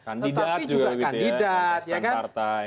kandidat juga begitu ya kandidat ya kan